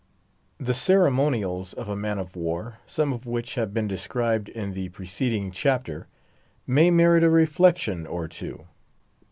The ceremonials of a man of war, some of which have been described in the preceding chapter, may merit a reflection or two.